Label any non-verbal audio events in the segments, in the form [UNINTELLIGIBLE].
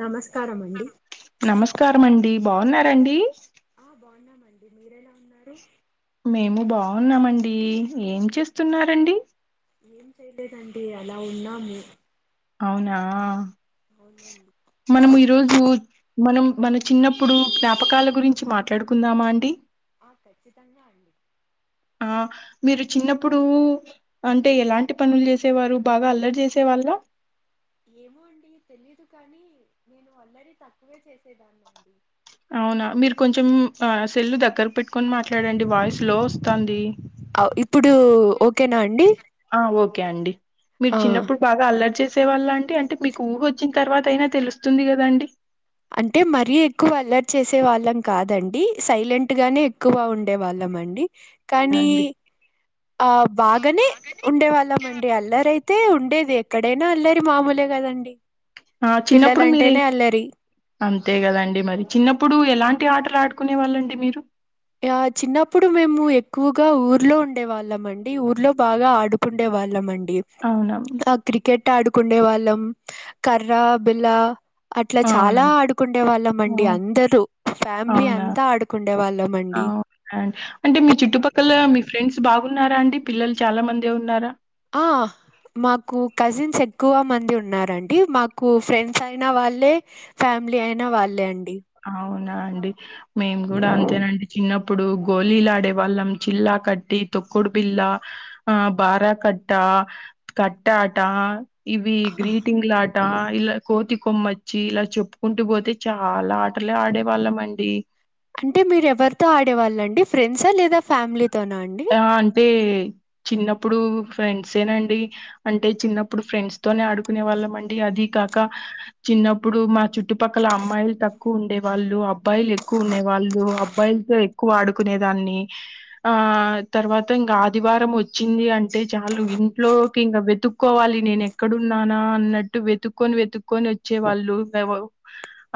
నమస్కారం అండి నమస్కారం అండి బాగున్నారండి ఆ బాగున్నామండి మీరు ఎలా ఉన్నారు మేము బాగున్నామండి ఏం చేస్తున్నారండి ఏం చెయలేదండి అలా ఉన్నాము అవునా అవునండి మనం ఈరోజు మనం మన చిన్నప్పుడు జ్ఞాపకాల గురించి మాట్లాడుకుందామా అండి ఆ ఖచ్చితంగా అండి ఆ మీరు చిన్నప్పుడు అంటే ఎలాంటి పనులు చేసేవారు బాగా అల్లరి చేసేవారు అల్ల ఏమో అండి తెలీదు కానీ నేను అల్లరి తక్కువే చేసేదాన్ని అండి అవునా మీరు కొంచెం ఆ సెల్లు దగ్గర పెట్టుకొని మాట్లాడండి వాయిస్ లో వస్తుంది అవ్ ఇప్పుడు ఓకేనా అండి ఆ ఓకే అండి మీరు ఆ చిన్నప్పుడు బాగా అల్లరి చేేసి సేవాళ్ళ అండి అంటే మీకు ఊహ వచ్చిన తర్వాత అయినా తెలుస్తుంది కదా అండి అంటే మరీ ఎక్కువ అలర్ట్ చేసే వాళ్ళం కాదండి సైలెంట్ గానే ఎక్కువ ఉండే వాళ్ళం మండి కానీ అండి ఆ బాగానే ఉండే వాళ్ళమండి అల్లరైతే తే ఉండేది ఎక్కడైనా అల్లరి మామూలే కదండి ఆ చిన్నప్పుడు మీరి పిల్లలంటేనే అల్లరి అంతే కదండి మరి చిన్నప్పుడు ఎలాంటి ఆట టలు ఆడుకునే వాళ్ళండి మీరు ఆ చిన్నప్పుడు మేము ఎక్కువగా ఊరు ఊర్లో ఉండే వాళ్ళం అండి ఊర్లో బాగా ఆడుకుండే వాళ్ళం అండి అవునా! ఆ క్రికెట్ ట్ ఆడుకుండే వాళ్ళం కర్ర బిల్లా అట్లా చాలా అవునండి. ఆడుకుండే వాళ్ళమండి అవును. అందరూ ఫ్యామిలీ అంతా ఆడుకుండే వాళ్ళం అండి ఆ అండ్ అంటే మీ చుట్టుపక్కల మీ ఫ్రెండ్స్ బాగున్నారా అండి పిల్లలు చాలా మంది ఉన్నారా ఆ మాకు కజిన్స్ ఎక్కువ మంది ఉన్నరండి మాకు ఫ్రెండ్స్ అయిన వాళ్ళే ఫ్యా మిలీ అయినా వాళ్ళే అండి అవునా అండి మేము కూడా అంతేనండి చిన్నప్పు నప్పుడు గోలీలు ఆడేవాళ్ళం చిల్లా కట్టి తొక్కుడు బిల్లా ఆ బారా కట్ట ఆ కట్టా ఆట ఇవి ఆ, గ్రీటింగ్ లాట ఇలా కోతి కొమ్మచ్చి ఇలా చెప్పుకుంటూ పోతే చాలా ఆట అంటే మీరు ఎవరితో ఆడేవాళ్ళండి ఫ్రెండ్సా లేదా ఫ్యామిలీ ఆ అంటే చిన్నప్పుడు ఫ్రెండ్సేనండి అంటే చిన్నప్పుడు ఫ్రెండ్స్ తోనే ఆడుకునే వాళ్ళం అండి అది కాక చిన్నప్పుడు మా చుట్టుపక్కల అమ్మాయిలు తక్కువ ఉండే వాళ్ళు అబ్బాయిలు ఎక్కువ ఉండే వాళ్ళు అబ్బాయిల్ తో ఎక్కువ ఆడుకునేదాన్ని ఆ తర్వాత ఇంకా ఆదివారం వచ్చింది అంటే చాలు ఇంట్లోకి ఇంకా వెతుక్కోవాలి నేను ఎక్కడున్నానా అన్నట్టు వెతుక్కొని వెతుక్కొని వచ్చే వాళ్ళు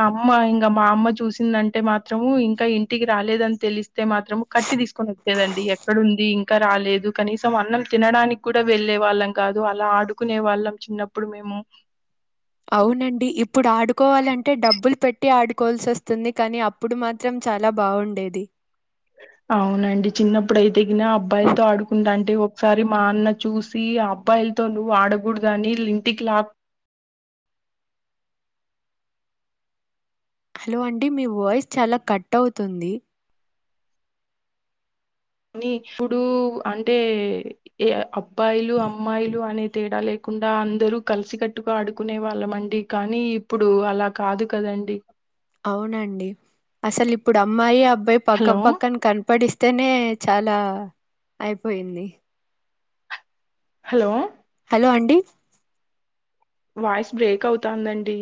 అమ్మ ఇంకా మా అమ్మ చూసిందంటే మాత్రము ఇంకా ఇంటికి రాలేదని తెలిస్తే మాత్రము కట్ కట్టి తీసుకొని వచ్చేదండి ఇక్కడ ఉంది ఇంకా రాలేదు కనీసం అన్నం తినడానికి కూడా వెళ్ళెవాళ్ళం కాదు అలా ఆడుకునే వాళ్ళం చిన్నప్పుడు మేము అవునండి ఇప్పుడు ఆడుకోవాలంటే డబ్బులు పెట్ పెట్టి ఆడుకోవాల్సి వస్తుంది కానీ అప్పుడు మాత్రం చాలా బాగుండేది అవునండి చిన్నప్పుడు అయితేగిన అబ్బాయిలతో ఆడుకుంటాంటే ఓ ఒకసారి మా అన్న చూసి అబ్బాయిలతో నువ్వు ఆడకూడదని ఇంటికి లాక్కొ హలో అండి మీ వాయిస్ చాలా కట్ అవుతుంది కానీ ఇప్పుడు అంటే ఏ అబ్బాయిలు అమ్మాయిలు అనే తేడా లేకు కుండా అందరూ కలిసికట్టుగా ఆడుకునే వాళ్ళం అండి కానీ ఇప్పుడు అలా కాదు కదండి అవునండి అసల్ ఇప్పుడు అమ్మాయి అబ్బాయి పక్క హలో పక్కన కనపడిస్తె తెనే చాలా అయిపోయింది హలో హలో అండి వాయిస్ బ్రేక్ అవుతుందాండి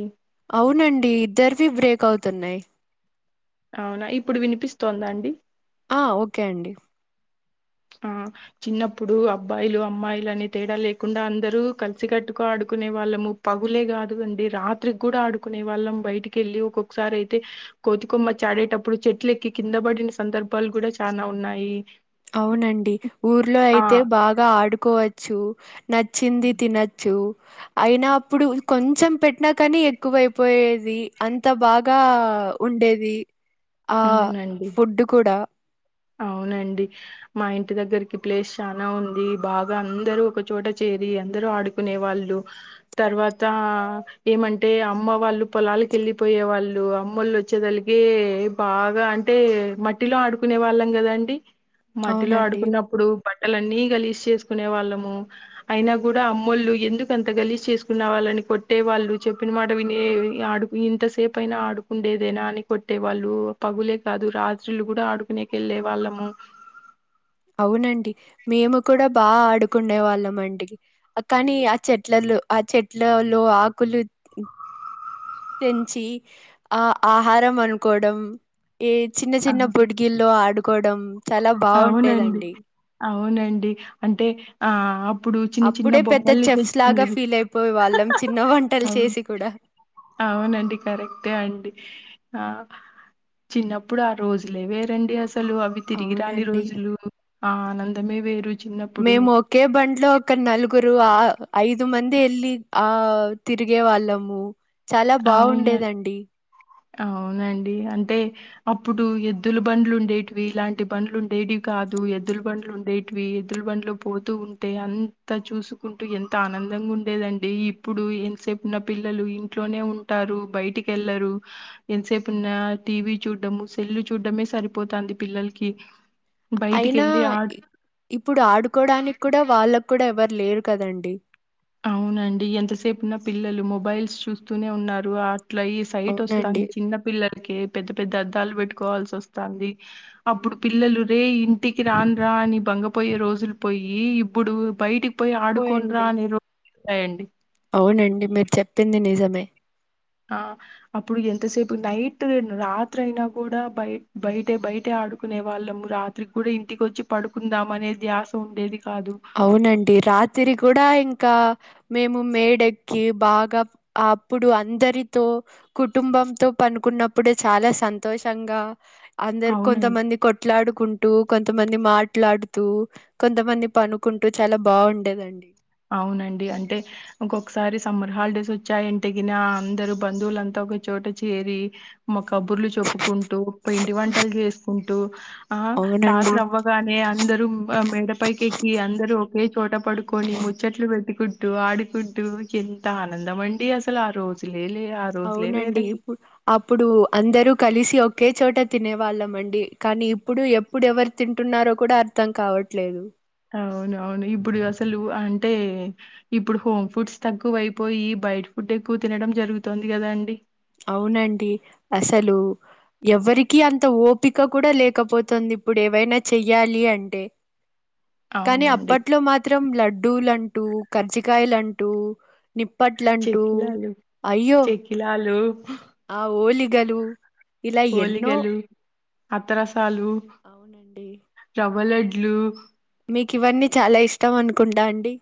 అవునండి ఇద్దరివి బ్రేక్ అవుతున్నాయి అవునా ఇప్పుడు వినిపిస్తోందా అండి ఆ ఓకే అండి ఆ చిన్నప్పుడు అబ్బాయిలు అమ్మాయిలు అనే తేడా లేకుండా అందరూ కలిసి కట్టుగా ఆడుకు కునే వాళ్ళము పగులే కాదు అండి రాత్రికి కూడా ఆడుకునే వాళ్ళం బయటికి వెళ్ళి ఒక్కొక్కసారి అయితే కోతికొమ్మచ్చి ఆడేటప్పుడు చెట్లెక్కి కిందబడిన సందర్భాలు కూడా చనా ఉన్నాయి అవునండి ఊర్లో ఆ అయితే బాగా ఆడుకోవచ్చు నచ్చింది తినచ్చు అయినా అప్పుడు కొంచెం పెట్టినాకని ఎక్కువైపోయేది అంత బాగా ఉండేది ఆ అవునండి ఫుడ్ కూడా అవునండి మా ఇంటి దగ్గరకి ప్లేస్ చానా ఉంది బాగా అందరూ ఒకచోట చేరి అందరు ఆడుకునే వాళ్ళు తర్వాత ఏమంటే అమ్మ వాళ్ళు పొలాలకి వెళ్ళిపోయ్యె వాళ్ళు అమ్మెళ్ళు వచ్చేదలికే బాగా అంటే మట్టిలో ఆడుకునే వాళ్ళం కదాండి మట్టిలో అవునండి. ఆడుకున్నప్పుడు బట్ బట్టలన్ని గలీజ్ చేసుకునే వాళ్ళము అయినా కూడా అమ్మోళ్ళు ఎందుకు అంత గలీజ్ చేసుకునె వాళ్ళని కొట్టే వాళ్ళు చెప్పిన మాట వినే ఆడుకు ఇంతసేపు అయినా ఆడుకుండేదేనా అని కొట్టేవాళ్ళు పగులే కాదు రాత్రుళ్లు కూడా ఆడుకునేకీ వెళ్ళే వాళ్ళము అవునండి మేము కూడా బాగా ఆడుకునే వాళ్ళం అండి కానీ ఆ చెట్లల్లో ఆ చెట్లలో ఆకులు పెంచి ఆ ఆహారం అనుకోవడం ఏ చిన్న చిన్న ఆహా! పొడిగిల్లో ఆడుకోవడం చాలా అవునండి బాగుండేదండి అవునండి అంటే ఆ ప్పుడు చిన్న చిన్న అప్పుడే పెద్ద బొమ్మల్ని చెఫ్స్ లాగా తెచ్చుకునేది ఫీల్ అయిపోయే వాళ్ళం చిన్న వంటలు అవును చేసి కూడా అవునండి కరెక్టే అండి ఆ చిన్నప్పుడు ఆ రోజులే వేరండి అసలు అవి తిరిగి రాని అవునండి రోజులు ఆ ఆనందమే వేరు చిన్నప్పుడు మేము ఒకే బండ్లో ఒక నలుగురు ఆ ఐదు మంది ఎల్లి ఆ తిరిగే వాళ్ళము చాలా అవును బాగుండేదండి అవునండి అంటే అప్పుడు ఎద్దుల బండ్లు ఉండేటివి ఇలాంటి బండ్లు ఉండేటివి కాదు ఎద్దుల బండ్లు ఉండేటివి ఎద్దుల బండ్లు పోతూ ఉంటే అంత చూసుకుంటూ ఎంత ఆనందం ందంగా ఉండేదండి ఇప్పుడు ఎంతసేపు ఉన్న పిల్లలు ఇంట్లోనే ఉంటారు బయటికి వెళ్లరు ఎంతసేపు ఉన్నా టీవీ చూడ్డము సెల్లు చూడ్డమే సరిపోతంది పిల్లలకి అయినా బయటికెళ్ళి ఆడు ఇప్పుడు ఆడుకోవడానికి కూడా వాళ్ళకు కూడా ఎవరు లేరు కదండి అవునండి ఎంతసేపున పిల్లలు మొబైల్స్ చూస్తూనే ఉన్నారు ఆ ఇట్లా ఈ సైట్ అవునండి వస్తాంది చిన్న పిల్లల కే పెద్ద పెద్ద అద్దాలు పెట్టుకోవాల్సి వస్తుంది అప్పుడు పిల్లలు రే ఇంటికి రాండ్ర అనీ బంగపోయే రోజులు పోయి ఇప్పుడు బయటి కి పోయి ఆడుకొండి రా పోయండి అని రోజులు యండి అవునండి మీరు చెప్పింది నిజమే ఆ అప్పుడు ఎంతసేపు నైట్ రాత్రి అయినా కూడా బయ బయటే బయట ఆడుకునే వాళ్ళం రాత్రికి కూడా ఇంటికి వచ్చి పడుకుందాం అనే ధ్యాస ఉండేది కాదు. అవునండి రాత్రి కూడా ఇంకా మేము మేడెక్కి బాగా అప్పుడు అందరితో కుటుంబంతో పండుకున్నప్పుడు చాలా సంతోషంగా అందరు అవునండి. కొంతమంది కొట్లాడుకుంటూ కొంతమంది మాట్లాడుతూ కొంతమంది పను కుంటూ చాలా బాగుండేదండి అవునండి అంటే ఇంకొకసారి సమ్మర్ హాలిడేస్ వచ్చాయి ఎంటికిిన అందరు బంధువులంతా ఒక చోట చేరి మ కబుర్లు చెప్పుకుంటూ పిండి వంటలు చేసుకుంటూ ఆ అవునండి. రాత్రవ్వగానే అందరూ ఆ మేడ పైకెక్కి అందరు ఒకేచోట పడుకోని ముచ్ చెట్లు పెట్టుకుంటూ ఆడుకుంటూ ఎంత ఆనందమండి అసలు ఆ రోజులు అవునండి ఇప్పుడ్ అప్పుడు అందరూ కలిసి ఒకే చోట తినేవ్ వాళ్ళమండి కానీ ఇప్పుడు ఎప్పుడు ఎవరు తింటున్నారో కూడా అర్థం కావట్లేదు అవునవును ఇప్పుడు అసలు అంటే ఇప్పుడు హోమ్ ఫుడ్స్ తక్కువైపోయి బైటి ఫుడ్ ఎక్కువ్ తినడం జరుగుతొంది కదా అండి అవునండి అసలు ఎవరికి అంత ఓపిక కూడా లేకపోతుంద్ ఇప్పుడెవైనా చెయ్యాలి అంటే కానీ అవునండి. అప్పట్లో మాత్రం లడ్డూలంటూ కర్జికయలంటూ నిప్పట్లంటూ చెక్కిలాలు అయ్యో చెకిలాలు ఆ వొలీగలు ఇలా ఎన్నో ఓలిగలు అత్తరసాలు అవునండి రవ్వలడ్లు మీకు ఇవన్నీ చాలా ఇష్టమనుకుంటా అండి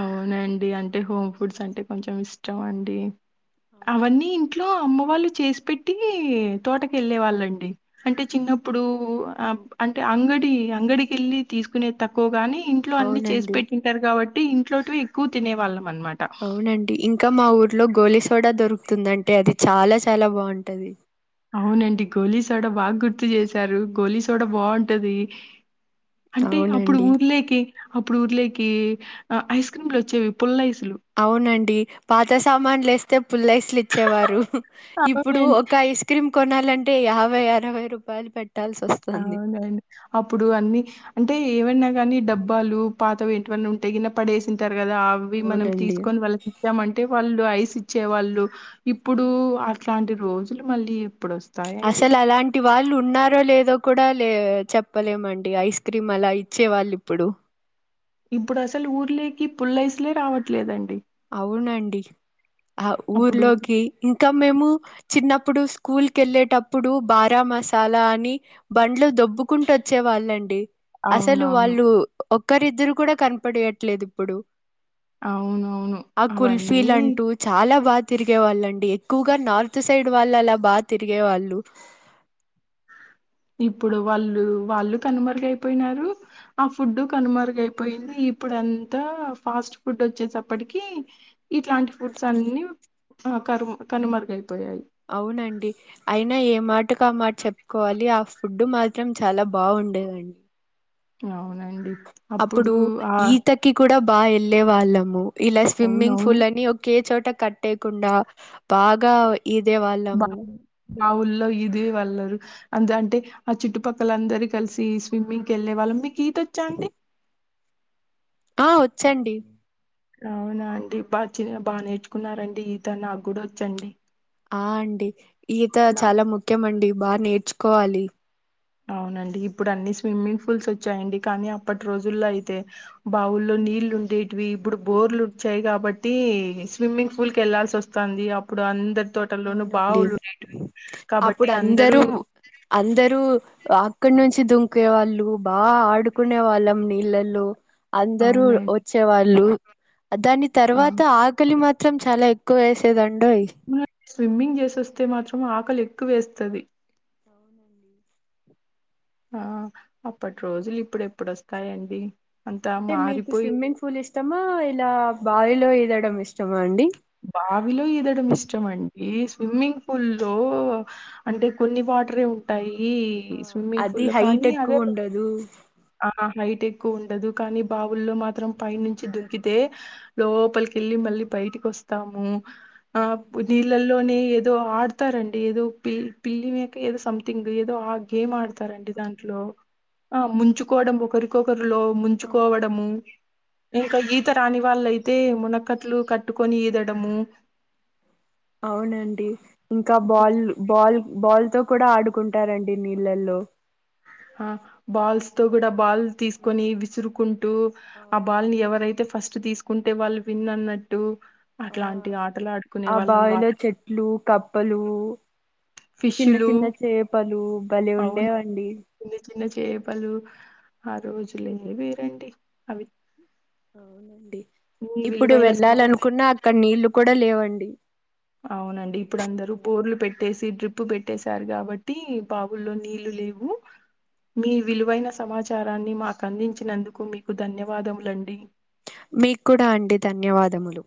అవునండి అంటే హోమ్ ఫుడ్స్ అంటే కొంచెం ఇష్టమండి అవును అవన్నీ ఇంట్లో అమ్మ వాళ్ళు చేసి పెట్టి తోటకెళ్ళే వాళ్ళండి అంటే చిన్నప్ ఇప్పుడు అబ్ అంటే అంగడి అంగడికెళ్ళి తీసుకునేద్ తక్కువ గాని ఇంట్లో అన్ని చేసి అవునండి పెట్టింటారు కాబట్టి ఇంట్లోటివి ఎక్కువ తినే వాళ్ళం అనమాట అవునండి ఇంకా మా ఊర్లో గోలీ సోడా దొరుక్ తుందంటే అది చాలా చాలా బాగుంటది అవునండి గోలీ సోడ బాగ్ గుర్తు చేసారు గోలీ సోడ బాగుంటది అంటే అవునండి అప్పుడుర్లేకి అప్పుడుర్లేకి ఐస్ క్రీమ్లొచ్చేవి పుల్లఐస్లు అవునండి పాత సామాన్లేస్తే పుల్లైస్లు ఇచ్చేవారు ఇప్పుడు అవునండి. ఒక ఐస్ క్రీమ్ కొనల్ లంటే యాభై అరవై రూపాయలు పెట్ అవునండి అప్పుడు అన్ని అంటే ఏమన్నా గానీ డబ్బాలు పాత ఏంటివన్నా ఉంటే గిన పడేసింటర్ గదా అవ్వి మనం అవునండి తీసుకొన్ వాళ్ళకిచ్చామంటే వాళ్ళు ఐస్ ఇచ్చే వాళ్ళు ఇప్పుడు అట్లాంటి రోజులు మళ్ళీ ఎప్పుడొస్ అసలు అలాంటి వాళ్ళు ఉన్నారో లేదోక్ కూడా లే చెప్పలేమండి ఐస్ క్రీమ్ అలా ఇచ్చే వాళ్ళిప్పుడు ఇప్పుడసలు ఊర్లేకి పుల్లైస్లే రావట్లేదండి అవునండి ఆహ్ అప్పుడు ఊర్లోకి ఇంకా మేము చిన్నప్పుడు స్కూల్కేళ్ళేటప్పుడు బారా మసాలా అని బండ్లు దొబ్ బ్బుకుంటచ్చే వాళ్ళండి అసలు అవునవును. వాళ్ళు ఒక్కరిద్దరు కూడా కనపడెయట్లేద్ ఇప్పుడు అవును ఆ కుల్ఫీలంటూ చాలా బాగ్ తిరిగే వాళ్ళండి ఎక్కువగా నార్త్ సైడ్ వాళ్ళలా బా తిరిగే వాళ్ళు [UNINTELLIGIBLE] ఇప్పుడు వాళ్ళు వాళ్ళు కనుమరుగయిపోయినారు ఆ ఫుడ్డు కనుమరుగయిపోయింది ఇప్పుడంతా ఫాస్ట్ ఫుడ్ వచ్చేసప్పటికి ఇట్లాంటి ఫుడ్స్ అన్ని ఆ కరుమ్ కనుమరుగయి అవునండి అయినా ఏ మాటకామాట చెప్కోవాలి ఆఫ్ ఫుడ్డు మాత్రం చాలా బాగుండేదండి అవునండ్ అప్పుడు ఈతకి కూడా బ్ బాఎళ్ళే వాళ్ళము ఇలా స్విమ్మింగ్ అవునవును పూల్ లని ఒకే చోటక్ కట్టేయకుండా బాగా ఇదే వాళ్ళము మా ఊళ్లో ఇది వళ్లరు అందు అంటే ఆ చుట్టుపక్కలందరు కలిసి స్విమ్మింగ్కి ఎళ్ళేవాళ్ళం మీక్ ఈత్ తోచ్చంటే ఆ వచ్చండి అవునా అండి పచ్చ బాగా నేర్చుకున్నారండి ఈత నాకు కూడా వచ్చండి ఆ అండి ఈత నా చాలా ముఖ్యమ అండి బాగా నేర్చుకోవాలి అవునండి ఇప్పుడు అన్ని స్విమ్మింగ్ పూల్స్ వచ్చాయండి కానీ అప్పటి రోజుల్లో అయితే బావుల్లో నీళ్లు ఉండేవి ఇప్పుడు బోర్లు వచ్చాయి కాబట్టి స్విమ్మింగ్ పూల్ కి వెళ్లాాల్సి వస్తంది అప్పుడు వంద అవునండి అప్పుడు అందరూ అందరూ అక్కడ నుంచి దుంకే వాళ్ళు బాగా ఆడుకునే వాళ్ళం నీళ్ళల్లో అందరూ అవునండి వచ్చే వాళ్ళు దాని ఆ తర్వాత ఆకలి మాత్రం చాలా ఎక్కువేసేదం స్విమ్మింగ్ చేసి వస్తే మాత్రం ఆకలి ఎక్కువేస్తది అవునండి ఆ అప్పటి రోజులు ఇప్పుడు ఎప్పుడోస్తాయండి అంటే మీకు స్విమ్మింగ్ పూల్ ఇష్టమా ఇలా బాయిలో ఇదడం ఇస్తమాండి బావిలో ఈదడం ఇష్టం అండి స్విమ్మింగ్ ఫూల్లో అంటే కొన్ని వాటరే ఉంటాయి ఈ స్విమంగ్ అది ఫూల్లో హైట్ కానీ అదే ఎక్కువ ఉండదు ఆ హైట్ ఎక్కువ ఉండదు కానీ బావుల్లో మాత్రం పై నుంచి దుంకితే లోపలికెళ్ళి మళ్లీ బయటికోస్తాము ఆ అవునండి నీళ్లలోనే ఏదో ఆడతారండి ఏదో పి పిల్లి మెకో ఏదో సంథింగ్ ఏదో ఆ గేమ్ ఆడుతారండి దాంట్లో ఆ మంచుకోవడం ఒకరికొకరు లో అవునండి ముంచుకోవడము మేక ఈత రాని వాళ్ళయితే మునక్కట్లు కట్టుకొని ఈదడము అవునండి ఇంకా బాల్లు బాల్ బాల్ తో కూడా ఆడుకుంటారండి నీళ్ళల్లో అ బల్స్తో కూడా బాల్ ఉ తీసుకొని విసురుకుంటూ ఆ అవునండి బాల్ని ఎవరైతే ఫస్ట్ తీసుకుంటే వాళ్ళు విన్న్ అన్నట్టు ఆ అట్లాంటి ఆటలు ఆడుకునే ఆ వాళ్ళం వా బావిలో చెట్లు కప్పలు చిన్న ఫిష్లు చిన్న చేపలు బలే అవును ఉండేవండి చిన్న చిన్న చేపలు ఆరోజులే వేరండి అవి అవునండి మీ ఇప్పుడు విలువైన సమాచారం వెళ్ళాలనుకున్న అక్కడ నీళ్లు కూడా లేవండి అవునండి ఇప్పుడు అందరుూ బోర్లు పెట్టేసి డ్రిప్ పెట్టేశారు కాబట్టి బవుల్లో నీళ్ళు లేవు మీ విలువైన సమాచారాన్ని మాకు అందించినందుకు మీకు ధన్యవాదములండి మీకూడా అండి ధన్యవాదములు